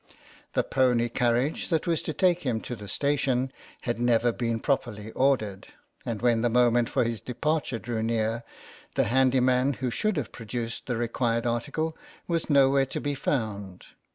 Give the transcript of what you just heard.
The pony carriage that was to take him to the station had never been properly ordered, and when the moment for his departure drew near the handy man who should have produced the required article was nowhere to be found.